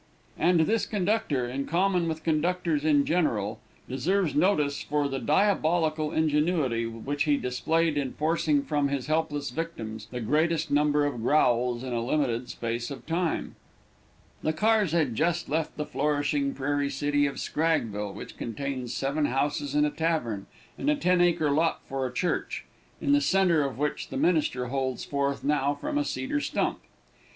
And this conductor, in common with conductors in general, deserves notice for the diabolical ingenuity which he displayed in forcing from his helpless victims the greatest number of growls in a limited space of time. The cars had just left the flourishing prairie city of Scraggville, which contains seven houses and a tavern, and a ten acre lot for a church, in the centre of which the minister holds forth now from a cedar stump.